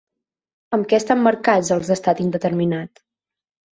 Amb què estan marcats els d'estat indeterminat?